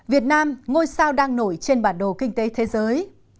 việt nam ngôi sao đang nổi trên bản đồ kinh tế thế giới